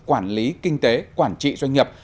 quản lý kinh tế quản trị doanh nghiệp